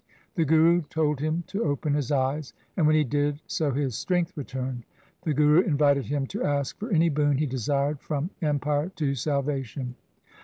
The Guru told him to open his eyes, and when he did so his strength returned. The Guru invited him to ask for any boon he desired from empire to salva tion.